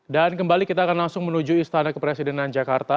dan kembali kita akan langsung menuju istana kepresidenan jakarta